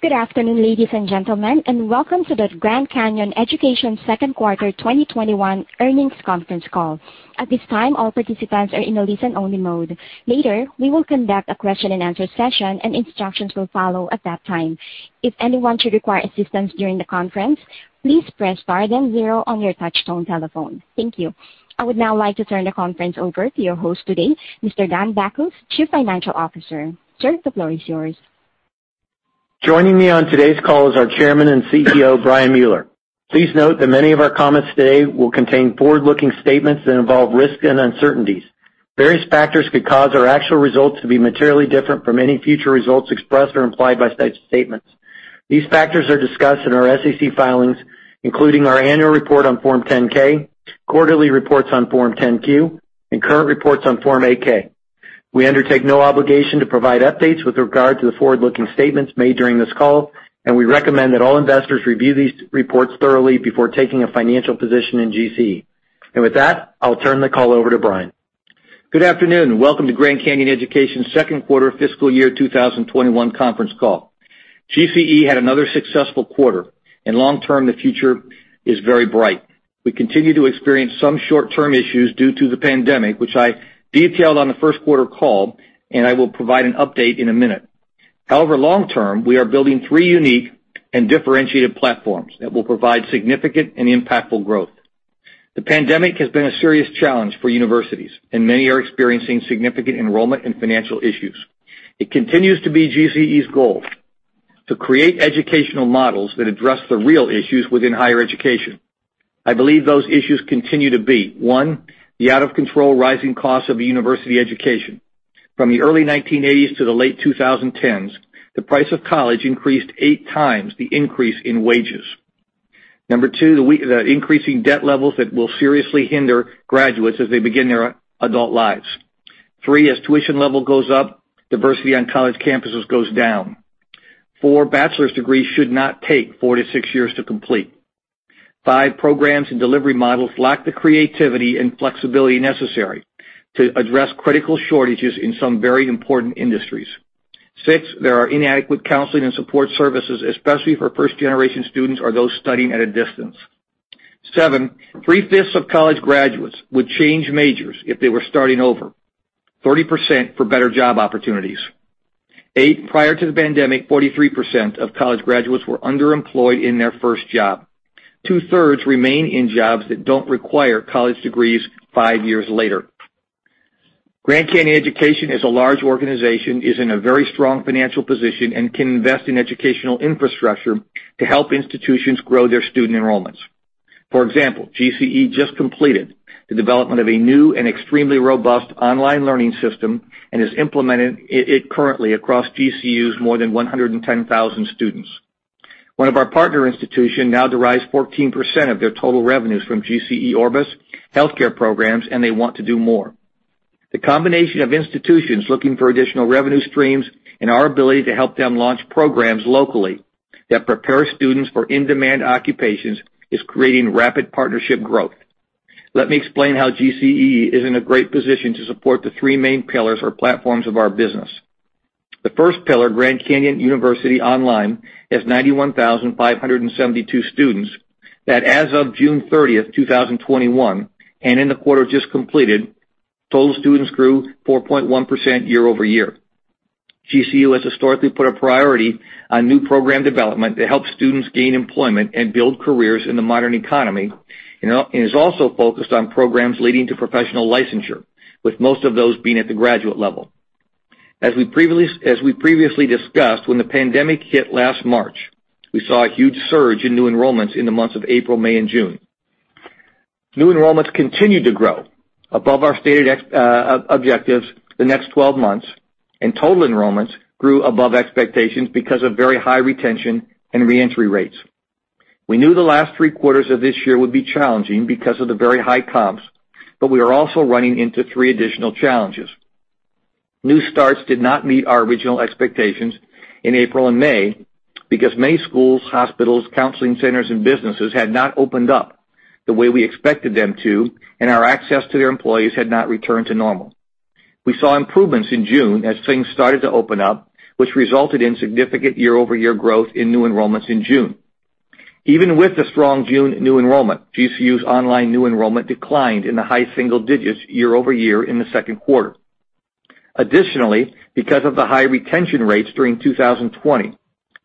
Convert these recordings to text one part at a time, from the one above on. Good afternoon, ladies and gentlemen, and welcome to the Grand Canyon Education second quarter 2021 earnings conference call. At this time, all participants are in a listen-only mode. Later, we will conduct a question and answer session, and instructions will follow at that time. If anyone should require assistance during the conference, please press star then zero on your touchtone telephone. Thank you. I would now like to turn the conference over to your host today, Mr. Dan Bachus, Chief Financial Officer. Sir, the floor is yours. Joining me on today's call is our Chairman and CEO, Brian Mueller. Please note that many of our comments today will contain forward-looking statements that involve risks and uncertainties. Various factors could cause our actual results to be materially different from any future results expressed or implied by such statements. These factors are discussed in our SEC filings, including our annual report on Form 10-K, quarterly reports on Form 10-Q, and current reports on Form 8-K. We undertake no obligation to provide updates with regard to the forward-looking statements made during this call. We recommend that all investors review these reports thoroughly before taking a financial position in GCE. With that, I'll turn the call over to Brian. Good afternoon. Welcome to Grand Canyon Education second quarter fiscal year 2021 conference call. GCE had another successful quarter. In long term, the future is very bright. We continue to experience some short-term issues due to the pandemic, which I detailed on the first quarter call, and I will provide an update in a minute. However, long term, we are building three unique and differentiated platforms that will provide significant and impactful growth. The pandemic has been a serious challenge for universities, and many are experiencing significant enrollment and financial issues. It continues to be GCE's goal to create educational models that address the real issues within higher education. I believe those issues continue to be, one, the out of control rising cost of a university education. From the early 1980s to the late 2010s, the price of college increased eight times the increase in wages. Number two, the increasing debt levels that will seriously hinder graduates as they begin their adult lives. Three, as tuition level goes up, diversity on college campuses goes down. Four, bachelor's degrees should not take 4-6 years to complete. Five, programs and delivery models lack the creativity and flexibility necessary to address critical shortages in some very important industries. Six, there are inadequate counseling and support services, especially for first-generation students or those studying at a distance. Seven, 3/5 of college graduates would change majors if they were starting over, 30% for better job opportunities. Eight, prior to the pandemic, 43% of college graduates were underemployed in their first job. 2/3 remain in jobs that don't require college degrees five years later. Grand Canyon Education is a large organization, is in a very strong financial position, and can invest in educational infrastructure to help institutions grow their student enrollments. For example, GCE just completed the development of a new and extremely robust online learning system and has implemented it currently across GCU's more than 110,000 students. One of our partner institution now derives 14% of their total revenues from GCE Orbis healthcare programs, and they want to do more. The combination of institutions looking for additional revenue streams and our ability to help them launch programs locally that prepare students for in-demand occupations is creating rapid partnership growth. Let me explain how GCE is in a great position to support the three main pillars or platforms of our business. The first pillar, Grand Canyon University Online, has 91,572 students that as of June 30th, 2021, and in the quarter just completed, total students grew 4.1% year-over-year. GCU has historically put a priority on new program development that helps students gain employment and build careers in the modern economy, and is also focused on programs leading to professional licensure, with most of those being at the graduate level. As we previously discussed, when the pandemic hit last March, we saw a huge surge in new enrollments in the months of April, May, and June. New enrollments continued to grow above our stated objectives the next 12 months, and total enrollments grew above expectations because of very high retention and re-entry rates. We knew the last three quarters of this year would be challenging because of the very high comps, but we are also running into three additional challenges. New starts did not meet our original expectations in April and May because many schools, hospitals, counseling centers, and businesses had not opened up the way we expected them to, and our access to their employees had not returned to normal. We saw improvements in June as things started to open up, which resulted in significant year-over-year growth in new enrollments in June. Even with the strong June new enrollment, GCU's online new enrollment declined in the high single digits year-over-year in the second quarter. Additionally, because of the high retention rates during 2020,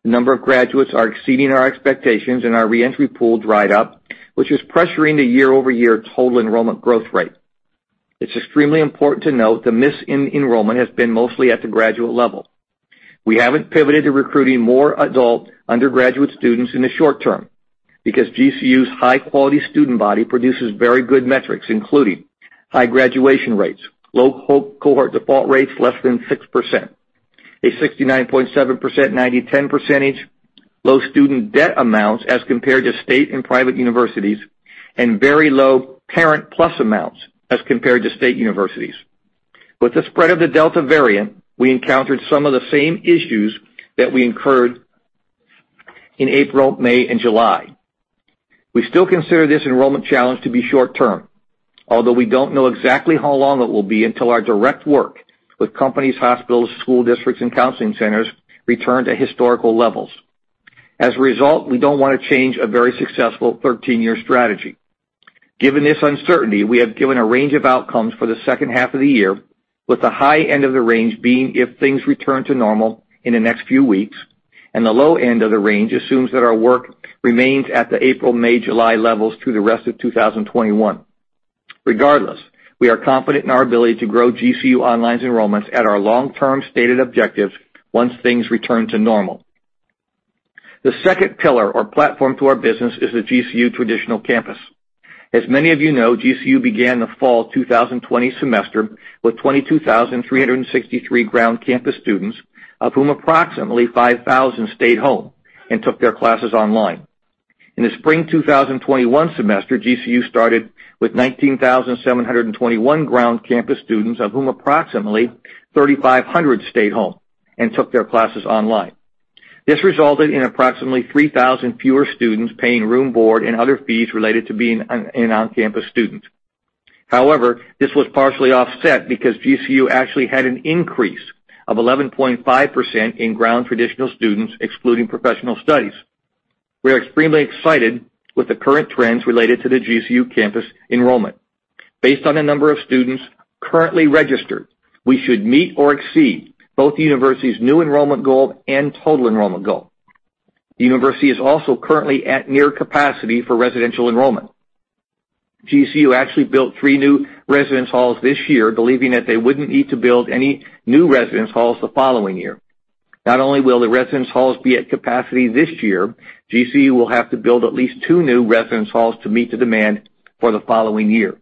the number of graduates are exceeding our expectations, and our re-entry pool dried up, which is pressuring the year-over-year total enrollment growth rate. It's extremely important to note the miss in enrollment has been mostly at the graduate level. We haven't pivoted to recruiting more adult undergraduate students in the short term, because GCU's high-quality student body produces very good metrics, including high graduation rates, low cohort default rates less than 6%, a 69.7% 90/10 percentage, low student debt amounts as compared to state and private universities, and very low Parent PLUS amounts as compared to state universities. With the spread of the Delta variant, we encountered some of the same issues that we incurred in April, May, and July. We still consider this enrollment challenge to be short-term, although we don't know exactly how long it will be until our direct work with companies, hospitals, school districts, and counseling centers return to historical levels. As a result, we don't want to change a very successful 13-year strategy. Given this uncertainty, we have given a range of outcomes for the second half of the year, with the high end of the range being if things return to normal in the next few weeks, and the low end of the range assumes that our work remains at the April, May, July levels through the rest of 2021. Regardless, we are confident in our ability to grow GCU Online's enrollments at our long-term stated objectives once things return to normal. The second pillar or platform to our business is the GCU traditional campus. As many of you know, GCU began the fall 2020 semester with 22,363 ground campus students, of whom approximately 5,000 stayed home and took their classes online. In the Spring 2021 semester, GCU started with 19,721 ground campus students, of whom approximately 3,500 stayed home and took their classes online. This resulted in approximately 3,000 fewer students paying room, board, and other fees related to being an on-campus student. However, this was partially offset because GCU actually had an increase of 11.5% in ground traditional students, excluding professional studies. We are extremely excited with the current trends related to the GCU campus enrollment. Based on the number of students currently registered, we should meet or exceed both the university's new enrollment goal and total enrollment goal. The university is also currently at near capacity for residential enrollment. GCU actually built three new residence halls this year, believing that they wouldn't need to build any new residence halls the following year. Not only will the residence halls be at capacity this year, GCU will have to build at least two new residence halls to meet the demand for the following year.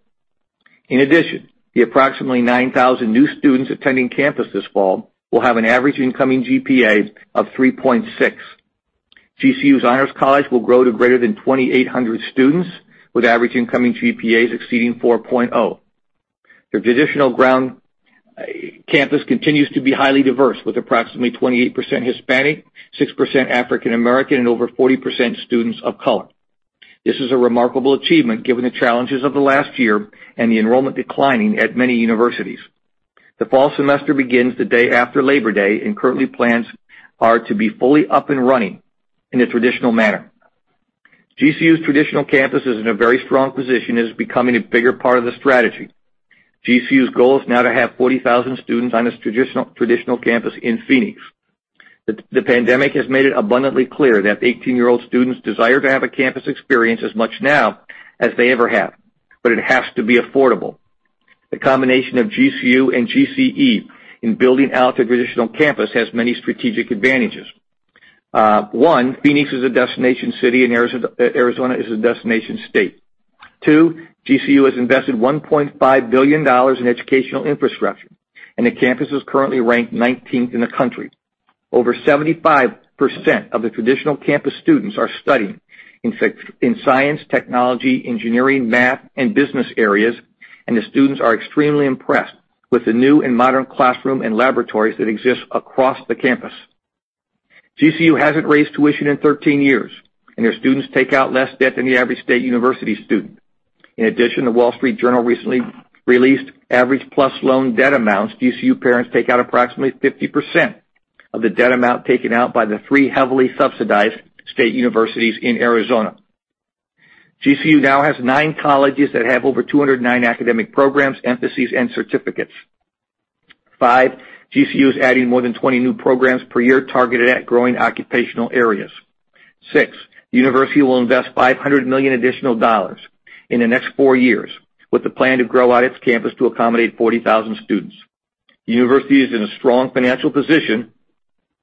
In addition, the approximately 9,000 new students attending campus this fall will have an average incoming GPA of 3.6. GCU's Honors College will grow to greater than 2,800 students, with average incoming GPAs exceeding 4.0. The traditional ground campus continues to be highly diverse, with approximately 28% Hispanic, 6% African American, and over 40% students of color. This is a remarkable achievement given the challenges of the last year and the enrollment declining at many universities. The fall semester begins the day after Labor Day, and currently plans are to be fully up and running in a traditional manner. GCU's traditional campus is in a very strong position and is becoming a bigger part of the strategy. GCU's goal is now to have 40,000 students on its traditional campus in Phoenix. The pandemic has made it abundantly clear that 18-year-old students desire to have a campus experience as much now as they ever have, but it has to be affordable. The combination of GCU and GCE in building out the traditional campus has many strategic advantages. One, Phoenix is a destination city, and Arizona is a destination state. Two, GCU has invested $1.5 billion in educational infrastructure, and the campus is currently ranked 19th in the country. Over 75% of the traditional campus students are studying in science, technology, engineering, math, and business areas, and the students are extremely impressed with the new and modern classroom and laboratories that exist across the campus. GCU hasn't raised tuition in 13 years, and their students take out less debt than the average state university student. In addition, The Wall Street Journal recently released average PLUS loan debt amounts. GCU parents take out approximately 50% of the debt amount taken out by the three heavily subsidized state universities in Arizona. GCU now has nine colleges that have over 209 academic programs, emphases, and certificates. Five, GCU is adding more than 20 new programs per year targeted at growing occupational areas. Six, the university will invest $500 million additional in the next four years with the plan to grow out its campus to accommodate 40,000 students. The university is in a strong financial position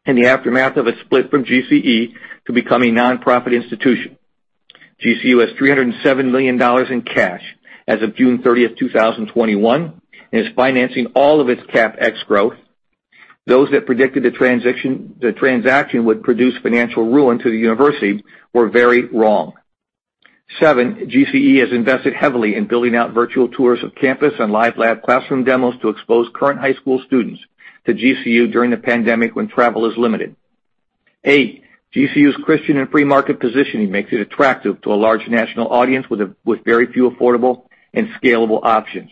in the aftermath of a split from GCE to become a nonprofit institution. GCU has $307 million in cash as of June 30th, 2021, and is financing all of its CapEx growth. Those that predicted the transaction would produce financial ruin to the university were very wrong. Seven, GCE has invested heavily in building out virtual tours of campus and live lab classroom demos to expose current high school students to GCU during the pandemic when travel is limited. Eight, GCU's Christian and free market positioning makes it attractive to a large national audience with very few affordable and scalable options.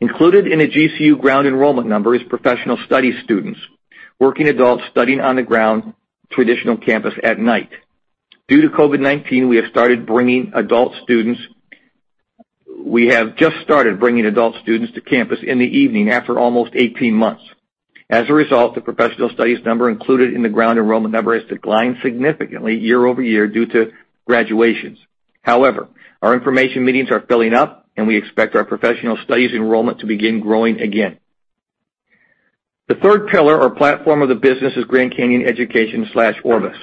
Included in the GCU ground enrollment number is professional studies students, working adults studying on the ground traditional campus at night. Due to COVID-19, we have just started bringing adult students to campus in the evening after almost 18 months. As a result, the professional studies number included in the ground enrollment number has declined significantly year-over-year due to graduations. However, our information meetings are filling up, and we expect our professional studies enrollment to begin growing again. The third pillar or platform of the business is Grand Canyon Education/Orbis.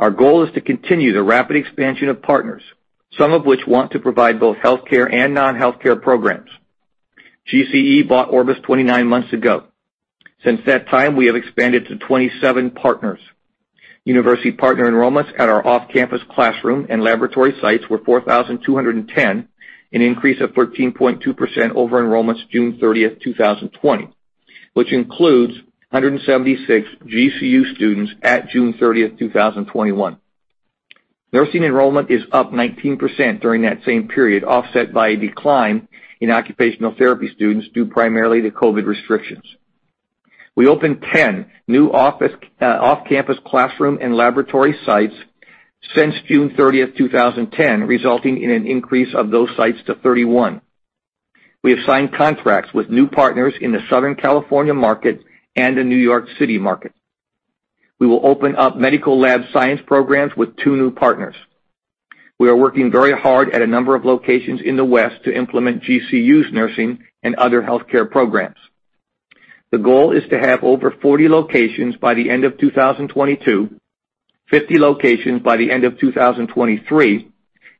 Our goal is to continue the rapid expansion of partners, some of which want to provide both healthcare and non-healthcare programs. GCE bought Orbis 29 months ago. Since that time, we have expanded to 27 partners. University partner enrollments at our off-campus classroom and laboratory sites were 4,210, an increase of 13.2% over enrollments June 30th, 2020, which includes 176 GCU students at June 30th, 2021. Nursing enrollment is up 19% during that same period, offset by a decline in occupational therapy students, due primarily to COVID restrictions. We opened 10 new off-campus classroom and laboratory sites since June 30th, 2010, resulting in an increase of those sites to 31. We have signed contracts with new partners in the Southern California market and the New York City market. We will open up medical laboratory science programs with two new partners. We are working very hard at a number of locations in the West to implement GCU's nursing and other healthcare programs. The goal is to have over 40 locations by the end of 2022, 50 locations by the end of 2023,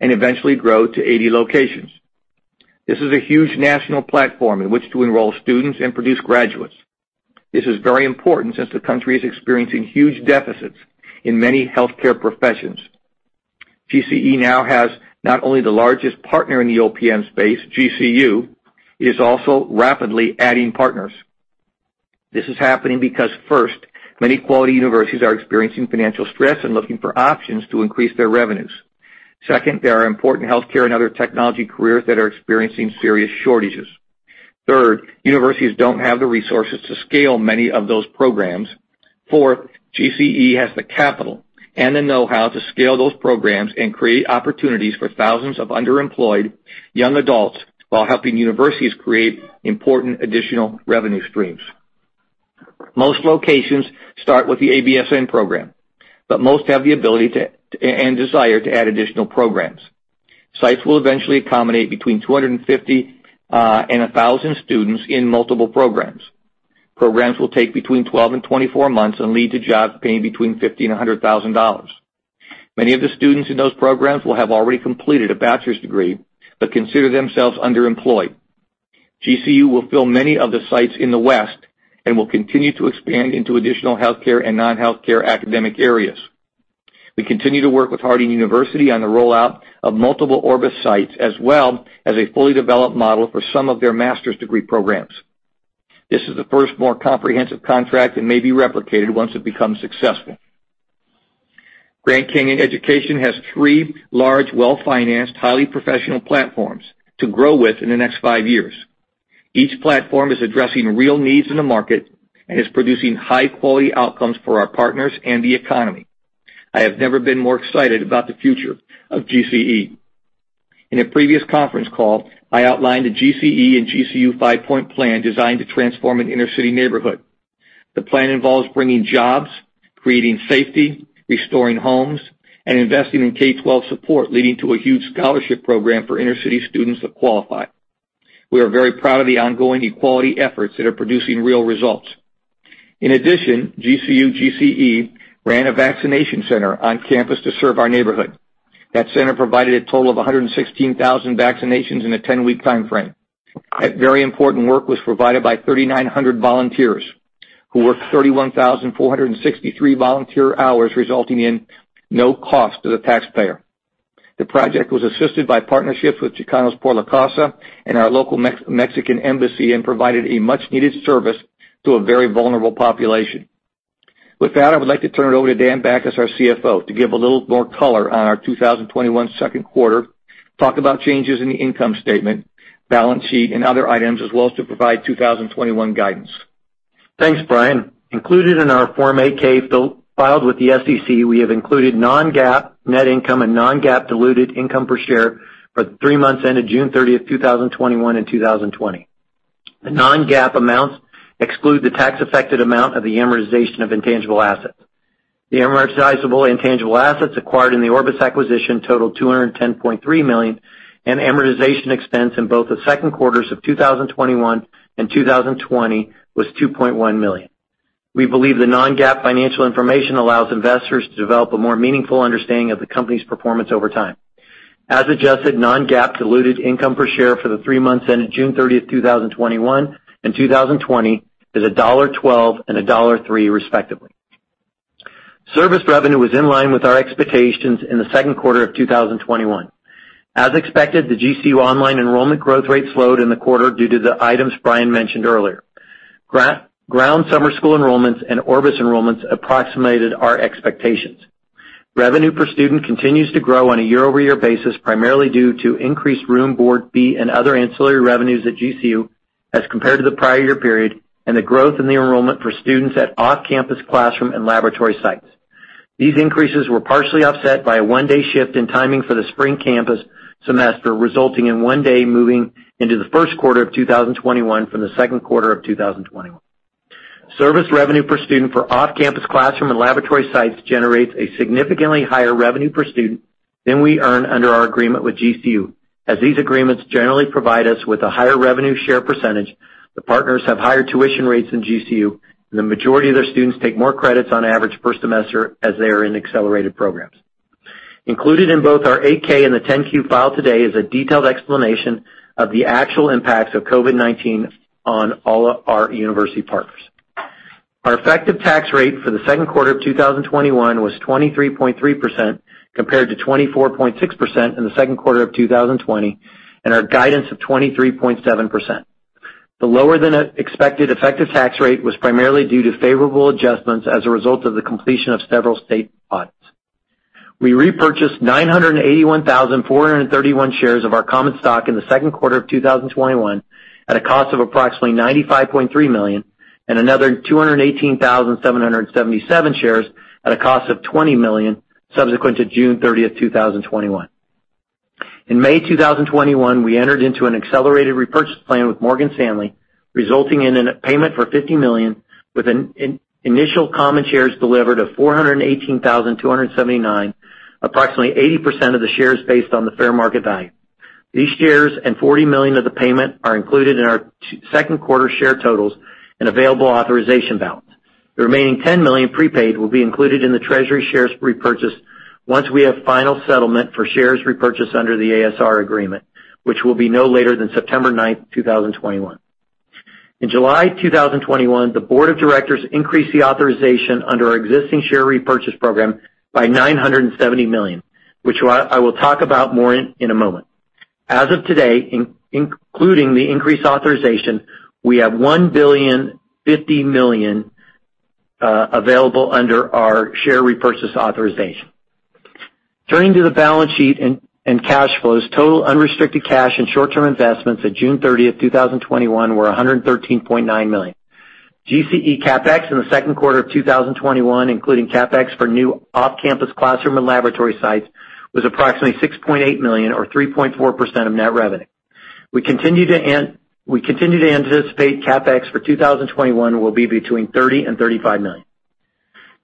and eventually grow to 80 locations. This is a huge national platform in which to enroll students and produce graduates. This is very important since the country is experiencing huge deficits in many healthcare professions. GCE now has not only the largest partner in the OPM space, GCU, it is also rapidly adding partners. This is happening because first, many quality universities are experiencing financial stress and looking for options to increase their revenues. Second, there are important healthcare and other technology careers that are experiencing serious shortages. Third, universities don't have the resources to scale many of those programs. Fourth, GCE has the capital and the know-how to scale those programs and create opportunities for thousands of underemployed young adults, while helping universities create important additional revenue streams. Most locations start with the ABSN program, but most have the ability to, and desire to add additional programs. Sites will eventually accommodate between 250 and 1,000 students in multiple programs. Programs will take between 12 and 24 months and lead to jobs paying between $50,000 and $100,000. Many of the students in those programs will have already completed a bachelor's degree but consider themselves underemployed. GCU will fill many of the sites in the West and will continue to expand into additional healthcare and non-healthcare academic areas. We continue to work with Harding University on the rollout of multiple Orbis sites, as well as a fully developed model for some of their master's degree programs. This is the first more comprehensive contract and may be replicated once it becomes successful. Grand Canyon Education has three large, well-financed, highly professional platforms to grow with in the next five years. Each platform is addressing real needs in the market and is producing high-quality outcomes for our partners and the economy. I have never been more excited about the future of GCE. In a previous conference call, I outlined a GCE and GCU five-point plan designed to transform an inner-city neighborhood. The plan involves bringing jobs, creating safety, restoring homes, and investing in K12 support, leading to a huge scholarship program for inner-city students that qualify. We are very proud of the ongoing equality efforts that are producing real results. In addition, GCU/GCE ran a vaccination center on campus to serve our neighborhood. That center provided a total of 116,000 vaccinations in a 10-week timeframe. That very important work was provided by 3,900 volunteers who worked 31,463 volunteer hours, resulting in no cost to the taxpayer. The project was assisted by partnerships with Chicanos Por La Causa and our local Mexican Embassy and provided a much-needed service to a very vulnerable population. With that, I would like to turn it over to Dan Bachus, our CFO, to give a little more color on our 2021 second quarter, talk about changes in the income statement, balance sheet, and other items, as well as to provide 2021 guidance. Thanks, Brian. Included in our Form 8-K filed with the SEC, we have included non-GAAP net income and non-GAAP diluted income per share for the three months ended June 30th, 2021 and 2020. The non-GAAP amounts exclude the tax-affected amount of the amortization of intangible assets. The amortizable intangible assets acquired in the Orbis acquisition totaled $210.3 million, and amortization expense in both the second quarters of 2021 and 2020 was $2.1 million. We believe the non-GAAP financial information allows investors to develop a more meaningful understanding of the company's performance over time. As adjusted, non-GAAP diluted income per share for the three months ended June 30th, 2021 and 2020 is $1.12 and $1.03 respectively. Service revenue was in line with our expectations in the second quarter of 2021. As expected, the GCU Online enrollment growth rate slowed in the quarter due to the items Brian mentioned earlier. Ground summer school enrollments and Orbis enrollments approximated our expectations. Revenue per student continues to grow on a year-over-year basis, primarily due to increased room, board, fee, and other ancillary revenues at GCU as compared to the prior year period and the growth in the enrollment for students at off-campus classroom and laboratory sites. These increases were partially offset by a one-day shift in timing for the spring campus semester, resulting in one day moving into the first quarter of 2021 from the second quarter of 2021. Service revenue per student for off-campus classroom and laboratory sites generates a significantly higher revenue per student than we earn under our agreement with GCU, as these agreements generally provide us with a higher revenue share percentage. The partners have higher tuition rates than GCU. The majority of their students take more credits on average per semester as they are in accelerated programs. Included in both our 8-K and the 10-Q filed today is a detailed explanation of the actual impacts of COVID-19 on all our university partners. Our effective tax rate for the second quarter of 2021 was 23.3%, compared to 24.6% in the second quarter of 2020, and our guidance of 23.7%. The lower than expected effective tax rate was primarily due to favorable adjustments as a result of the completion of several state audits. We repurchased 981,431 shares of our common stock in the second quarter of 2021, at a cost of approximately $95.3 million, and another 218,777 shares at a cost of $20 million subsequent to June 30th, 2021. In May 2021, we entered into an accelerated repurchase plan with Morgan Stanley, resulting in a payment for $50 million, with initial common shares delivered of 418,279, approximately 80% of the shares based on the fair market value. These shares and $40 million of the payment are included in our second quarter share totals and available authorization balance. The remaining $10 million prepaid will be included in the treasury shares repurchase once we have final settlement for shares repurchase under the ASR agreement, which will be no later than September 9th, 2021. In July 2021, the Board of Directors increased the authorization under our existing share repurchase program by $970 million, which I will talk about more in a moment. As of today, including the increased authorization, we have $1 billion, 50 million available under our share repurchase authorization. Turning to the balance sheet and cash flows, total unrestricted cash and short-term investments at June 30th, 2021, were $113.9 million. GCE CapEx in the second quarter of 2021, including CapEx for new off-campus classroom and laboratory sites, was approximately $6.8 million or 3.4% of net revenue. We continue to anticipate CapEx for 2021 will be between $30 million and $35 million.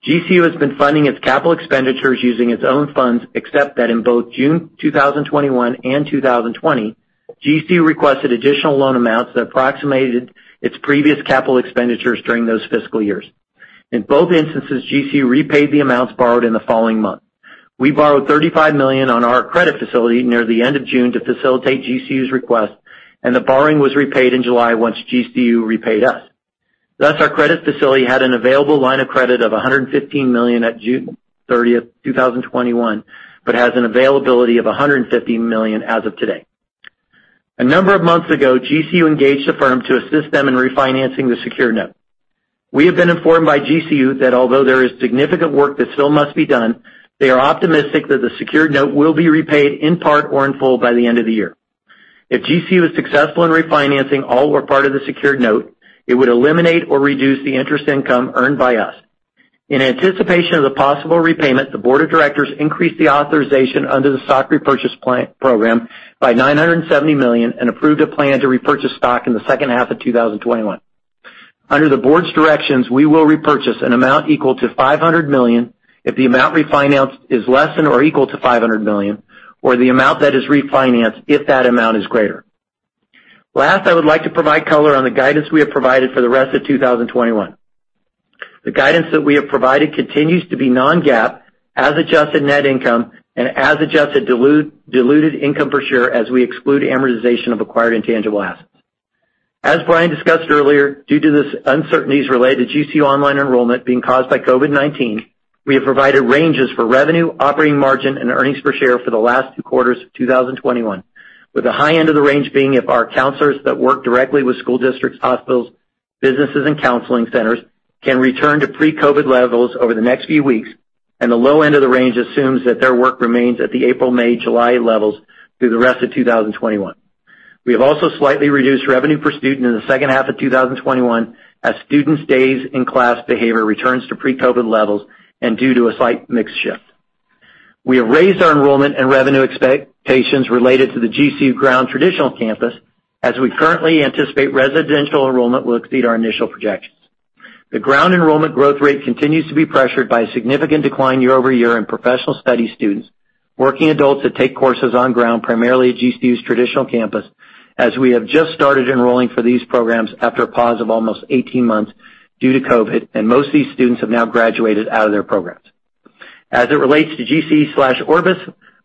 GCU has been funding its capital expenditures using its own funds, except that in both June 2021 and 2020, GCU requested additional loan amounts that approximated its previous capital expenditures during those fiscal years. In both instances, GCU repaid the amounts borrowed in the following month. We borrowed $35 million on our credit facility near the end of June to facilitate GCU's request, and the borrowing was repaid in July once GCU repaid us. Thus, our credit facility had an available line of credit of $115 million at June 30th, 2021, but has an availability of $150 million as of today. A number of months ago, GCU engaged the firm to assist them in refinancing the secured note. We have been informed by GCU that although there is significant work that still must be done, they are optimistic that the secured note will be repaid in part or in full by the end of the year. If GCU is successful in refinancing all or part of the secured note, it would eliminate or reduce the interest income earned by us. In anticipation of the possible repayment, the Board of Directors increased the authorization under the stock repurchase program by $970 million and approved a plan to repurchase stock in the second half of 2021. Under the board's directions, we will repurchase an amount equal to $500 million if the amount refinanced is less than or equal to $500 million, or the amount that is refinanced if that amount is greater. Last, I would like to provide color on the guidance we have provided for the rest of 2021. The guidance that we have provided continues to be non-GAAP, as adjusted net income, and as adjusted diluted income per share as we exclude amortization of acquired intangible assets. As Brian discussed earlier, due to the uncertainties related to GCU Online enrollment being caused by COVID-19, we have provided ranges for revenue, operating margin, and earnings per share for the last quarters of 2021. With the high end of the range being if our counselors that work directly with school districts, hospitals, businesses, and counseling centers can return to pre-COVID levels over the next few weeks, and the low end of the range assumes that their work remains at the April, May, July levels through the rest of 2021. We have also slightly reduced revenue per student in the second half of 2021 as students' days in class behavior returns to pre-COVID levels and due to a slight mix shift. We have raised our enrollment and revenue expectations related to the GCU ground traditional campus, as we currently anticipate residential enrollment will exceed our initial projections. The ground enrollment growth rate continues to be pressured by a significant decline year-over-year in professional studies students, working adults that take courses on ground, primarily at GCU's traditional campus, as we have just started enrolling for these programs after a pause of almost 18 months due to COVID, and most of these students have now graduated out of their programs. As it relates to GC/Orbis,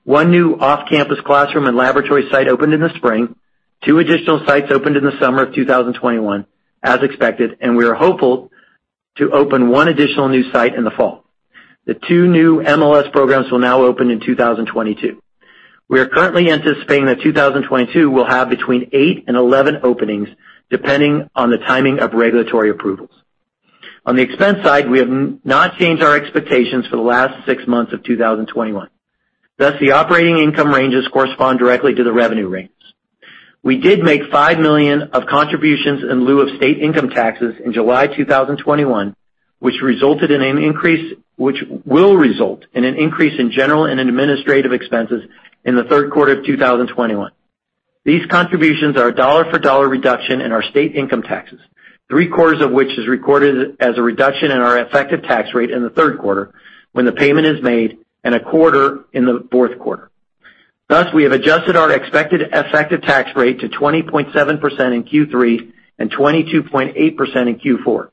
one new off-campus classroom and laboratory site opened in the spring, two additional sites opened in the summer of 2021, as expected. We are hopeful to open one additional new site in the fall. The two new MLS programs will now open in 2022. We are currently anticipating that 2022 will have between eight and 11 openings, depending on the timing of regulatory approvals. On the expense side, we have not changed our expectations for the last six months of 2021. Thus, the operating income ranges correspond directly to the revenue ranges. We did make $5 million of contributions in lieu of state income taxes in July 2021, which will result in an increase in general and administrative expenses in the third quarter of 2021. These contributions are a dollar for dollar reduction in our state income taxes, three-quarters of which is recorded as a reduction in our effective tax rate in the third quarter when the payment is made, and a quarter in the fourth quarter. Thus, we have adjusted our expected effective tax rate to 20.7% in Q3 and 22.8% in Q4.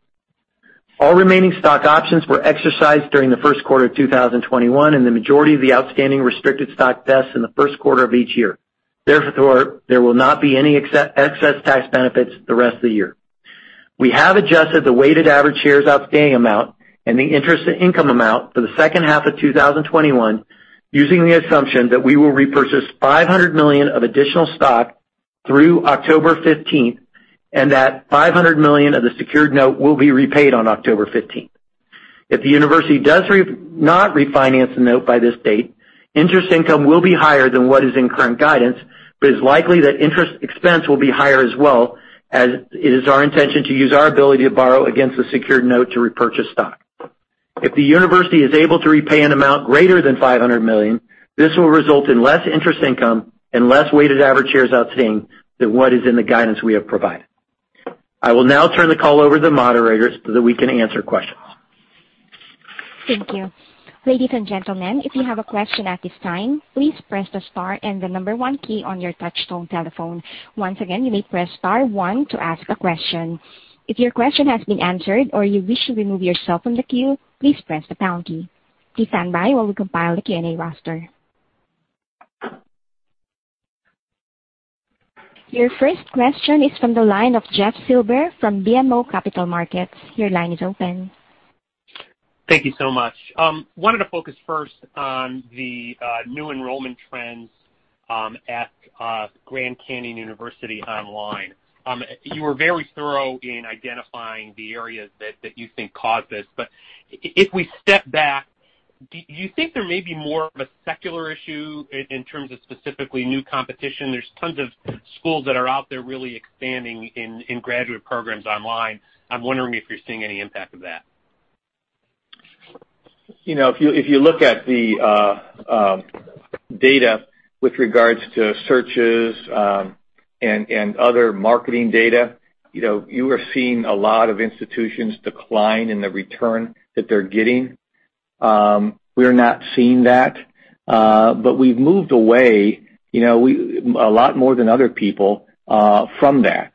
All remaining stock options were exercised during the first quarter of 2021, and the majority of the outstanding restricted stock vests in the first quarter of each year. Therefore, there will not be any excess tax benefits the rest of the year. We have adjusted the weighted average shares outstanding amount and the interest income amount for the second half of 2021 using the assumption that we will repurchase $500 million of additional stock through October 15th, and that $500 million of the secured note will be repaid on October 15th. If the university does not refinance the note by this date, interest income will be higher than what is in current guidance, but it's likely that interest expense will be higher as well, as it is our intention to use our ability to borrow against the secured note to repurchase stock. If the university is able to repay an amount greater than $500 million, this will result in less interest income and less weighted average shares outstanding than what is in the guidance we have provided. I will now turn the call over to the moderators so that we can answer questions. Thank you. Ladies and gentlemen, if you have a question at this time, please press the star and the number one key on your touchtone telephone. Once again, you may press star one to ask a question. If your question has been answered or you wish to remove yourself from the queue, please press the pound key. Please stand by while we compile the Q&A roster. Your first question is from the line of Jeff Silber from BMO Capital Markets. Your line is open. Thank you so much. I wanted to focus first on the new enrollment trends at Grand Canyon University Online. You were very thorough in identifying the areas that you think caused this. If we step back, do you think there may be more of a secular issue in terms of specifically new competition? There's tons of schools that are out there really expanding in graduate programs online. I'm wondering if you're seeing any impact of that. If you look at the data with regards to searches, and other marketing data, you are seeing a lot of institutions decline in the return that they're getting. We're not seeing that. We've moved away, a lot more than other people, from that.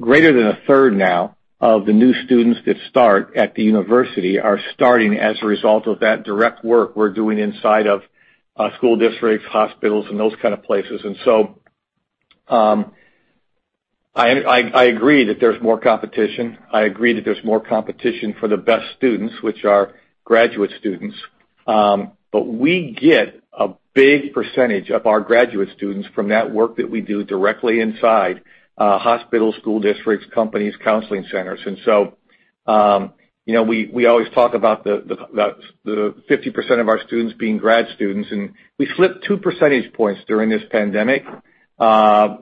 Greater than a third now of the new students that start at the university are starting as a result of that direct work we're doing inside of school districts, hospitals, and those kind of places. I agree that there's more competition. I agree that there's more competition for the best students, which are graduate students. We get a big percentage of our graduate students from that work that we do directly inside hospitals, school districts, companies, counseling centers. We always talk about the 50% of our students being grad students, and we slipped 2 percentage points during this pandemic off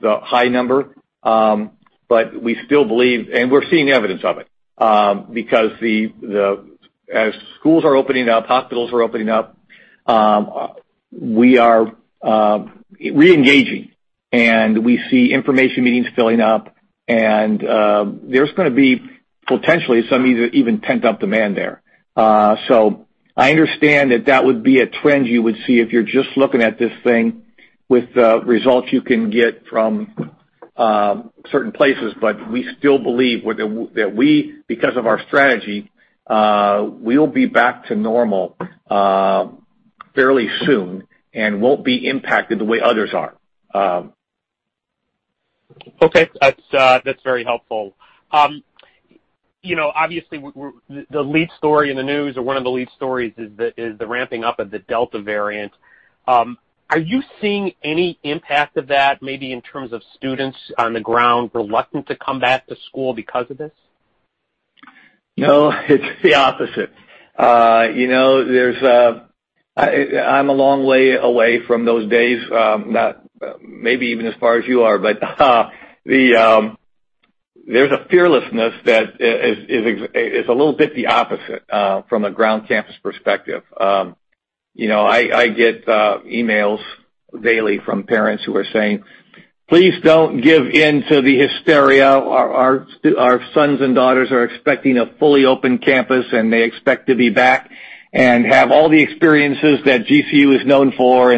the high number. We still believe, and we're seeing evidence of it, because as schools are opening up, hospitals are opening up, we are re-engaging, and we see information meetings filling up, and there's going to be potentially some even pent-up demand there. I understand that that would be a trend you would see if you're just looking at this thing with the results you can get from certain places. We still believe that we, because of our strategy, we'll be back to normal fairly soon and won't be impacted the way others are. Okay. That's very helpful. The lead story in the news or one of the lead stories is the ramping up of the Delta variant. Are you seeing any impact of that, maybe in terms of students on the ground reluctant to come back to school because of this? No, it's the opposite. I'm a long way away from those days, maybe even as far as you are. There's a fearlessness that is a little bit the opposite from a ground campus perspective. I get emails daily from parents who are saying, "Please don't give in to the hysteria." Our sons and daughters are expecting a fully open campus, and they expect to be back and have all the experiences that GCU is known for.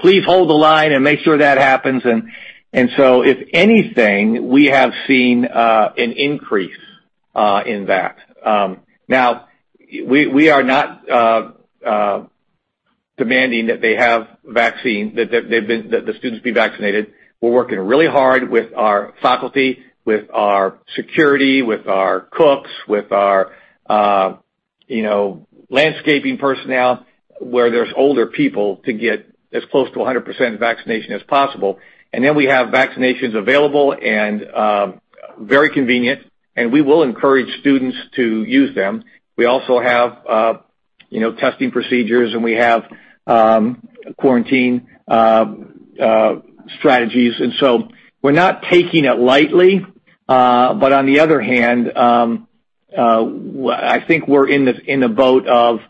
Please hold the line and make sure that happens. If anything, we have seen an increase in that. Now, we are not demanding that they have vaccine, that the students be vaccinated. We're working really hard with our faculty, with our security, with our cooks, with our landscaping personnel, where there's older people, to get as close to 100% vaccination as possible. We have vaccinations available and very convenient, and we will encourage students to use them. We also have testing procedures, and we have quarantine strategies. We're not taking it lightly. On the other hand, I think we're in the boat of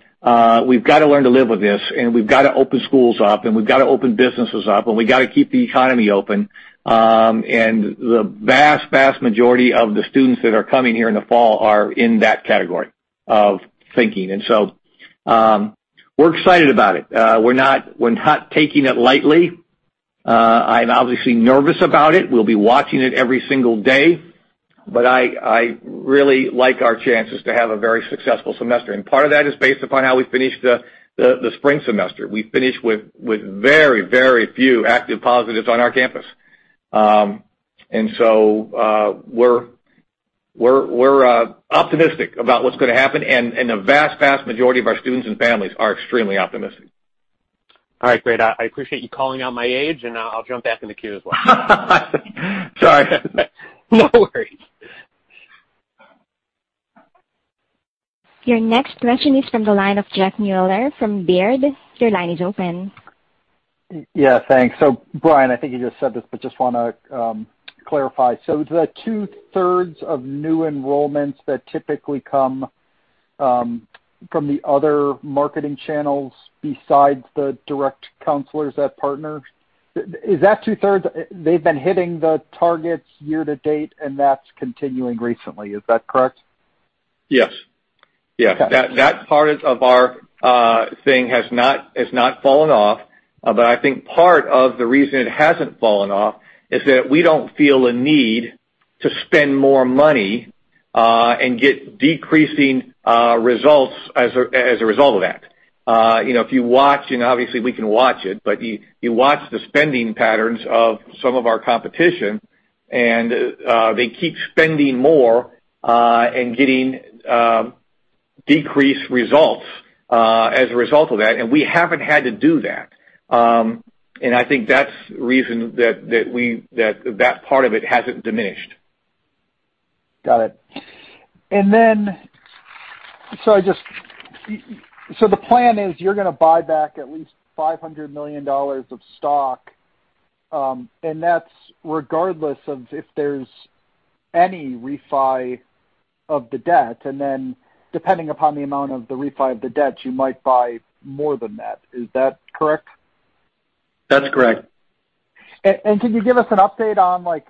we've got to learn to live with this, and we've got to open schools up, and we've got to open businesses up, and we've got to keep the economy open. The vast majority of the students that are coming here in the fall are in that category of thinking. We're excited about it. We're not taking it lightly. I'm obviously nervous about it. We'll be watching it every single day, but I really like our chances to have a very successful semester. Part of that is based upon how we finish the spring semester. We finish with very, very few active positives on our campus. We're optimistic about what's going to happen, and the vast majority of our students and families are extremely optimistic. All right, great. I appreciate you calling out my age, and I'll jump back in the queue as well. Sorry. No worries. Your next question is from the line of Jeff Meuler from Baird. Your line is open. Yeah, thanks. Brian, I think you just said this, just want to clarify. The 2/3 of new enrollments that typically come from the other marketing channels besides the direct counselors at partners, they've been hitting the targets year-to-date, that's continuing recently. Is that correct? Yes. Okay. That part of our thing has not fallen off. I think part of the reason it hasn't fallen off is that we don't feel a need to spend more money, and get decreasing results as a result of that. If you watch, and obviously we can watch it. You watch the spending patterns of some of our competition, and they keep spending more, and getting decreased results, as a result of that. We haven't had to do that. I think that's the reason that that part of it hasn't diminished. Got it. The plan is you're going to buy back at least $500 million of stock, and that's regardless of if there's any refi of the debt. Depending upon the amount of the refi of the debt, you might buy more than that. Is that correct? That's correct. Can you give us an update on like,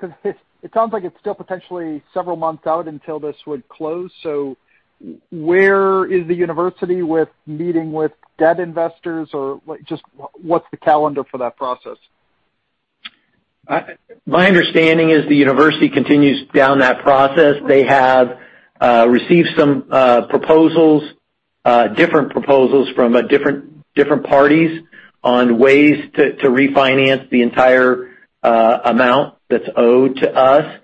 because it sounds like it's still potentially several months out until this would close. Where is the university with meeting with debt investors or just what's the calendar for that process? My understanding is the university continues down that process. They have received some proposals, different proposals from different parties on ways to refinance the entire amount that's owed to us.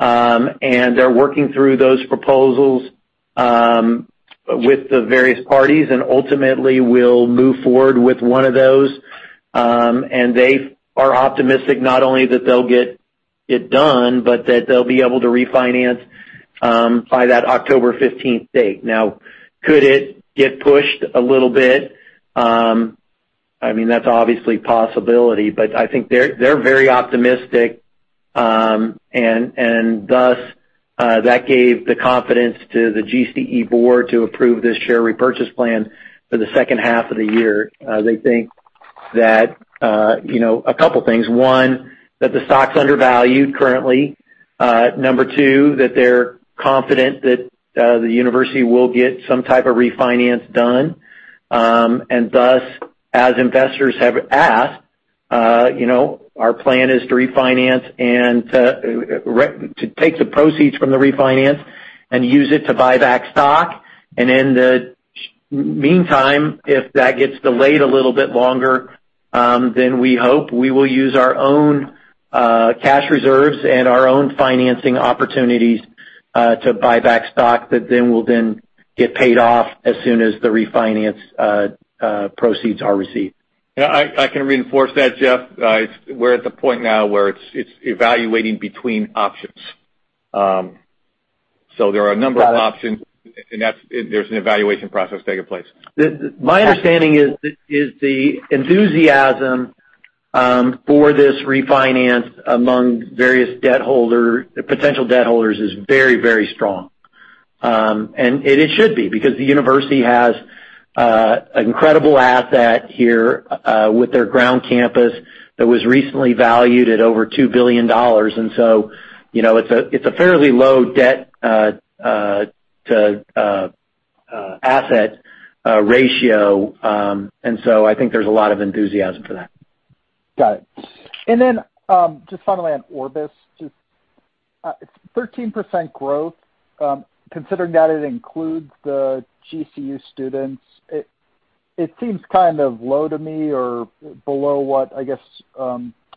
They're working through those proposals with the various parties. Ultimately, we'll move forward with one of those. They are optimistic not only that they'll get it done, but that they'll be able to refinance by that October 15th date. Could it get pushed a little bit? That's obviously a possibility, but I think they're very optimistic. Thus, that gave the confidence to the GCE Board to approve this share repurchase plan for the second half of the year. They think a couple things. One, that the stock's undervalued currently. Number two, that they're confident that the university will get some type of refinance done. Thus, as investors have asked, our plan is to refinance and to take the proceeds from the refinance and use it to buy back stock. In the meantime, if that gets delayed a little bit longer, we hope we will use our own cash reserves and our own financing opportunities to buy back stock that will get paid off as soon as the refinance proceeds are received. Yeah, I can reinforce that, Jeff. We're at the point now where it's evaluating between options. There are a number of options, and there's an evaluation process taking place. Got it. My understanding is the enthusiasm for this refinance among various potential debt holders is very, very strong. It should be, because the university has an incredible asset here, with their ground campus that was recently valued at over $2 billion. It's a fairly low debt to asset ratio. I think there's a lot of enthusiasm for that. Got it. Just finally on Orbis. 13% growth, considering that it includes the GCU students, it seems kind of low to me or below what I guess,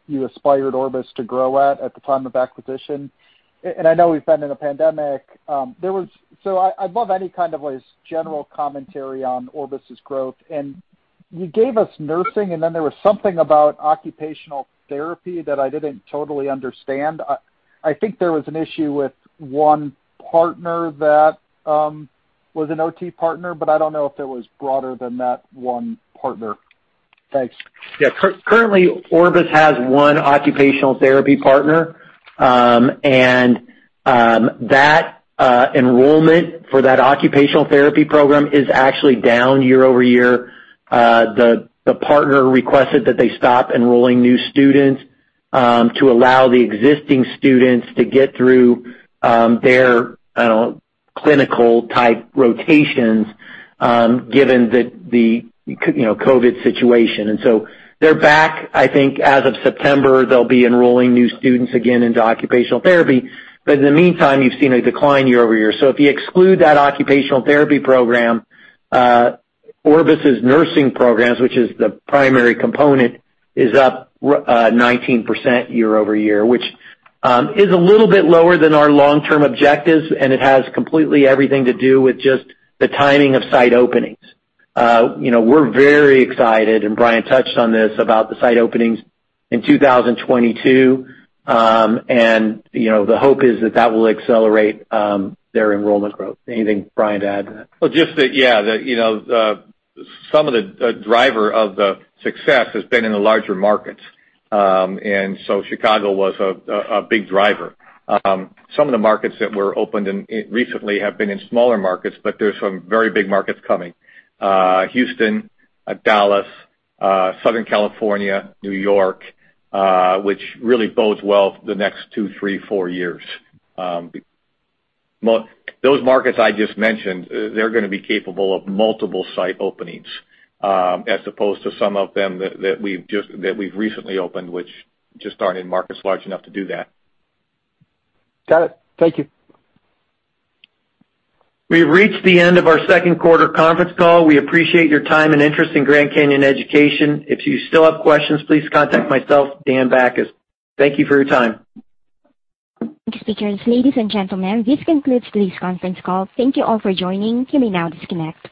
you aspired Orbis to grow at the time of acquisition. I know we've been in a pandemic. I'd love any kind of general commentary on Orbis's growth. You gave us nursing, then there was something about occupational therapy that I didn't totally understand. I think there was an issue with one partner that was an OT partner, I don't know if it was broader than that one partner. Thanks. Yeah. Currently, Orbis has one occupational therapy partner. That enrollment for that occupational therapy program is actually down year-over-year. The partner requested that they stop enrolling new students to allow the existing students to get through their clinical-type rotations, given the COVID situation. They're back, I think as of September, they'll be enrolling new students again into occupational therapy. In the meantime, you've seen a decline year-over-year. If you exclude that occupational therapy program, Orbis's nursing programs, which is the primary component, is up 19% year-over-year, which is a little bit lower than our long-term objectives, and it has completely everything to do with just the timing of site openings. We're very excited, and Brian touched on this, about the site openings in 2022. The hope is that that will accelerate their enrollment growth. Anything, Brian, to add to that? Just that, some of the driver of the success has been in the larger markets. Chicago was a big driver. Some of the markets that were opened recently have been in smaller markets, but there's some very big markets coming. Houston, Dallas, Southern California, New York, which really bodes well for the next two, three, four years. Those markets I just mentioned, they're going to be capable of multiple site openings, as opposed to some of them that we've recently opened, which just aren't in markets large enough to do that. Got it. Thank you. We've reached the end of our second quarter conference call. We appreciate your time and interest in Grand Canyon Education. If you still have questions, please contact myself, Dan Bachus. Thank you for your time. Thanks, speakers. Ladies and gentlemen, this concludes today's conference call. Thank you all for joining. You may now disconnect.